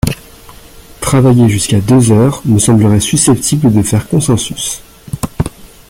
Travailler jusqu’à deux heures me semblerait susceptible de faire consensus.